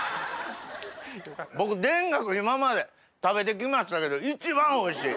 僕田楽今まで食べてきましたけど一番おいしい！